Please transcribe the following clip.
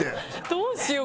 どうしよう？